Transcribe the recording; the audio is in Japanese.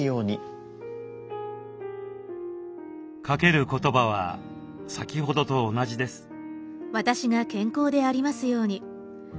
かける言葉は先ほどと同じです。